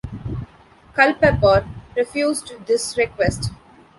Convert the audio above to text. Culpepper refused this request.